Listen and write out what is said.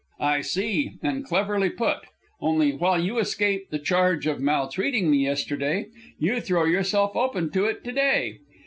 "I see, and cleverly put; only, while you escape the charge of maltreating me yesterday; you throw yourself open to it to day.